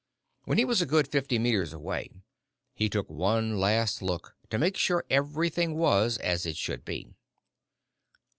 When he was a good fifty meters away, he took one last look to make sure everything was as it should be.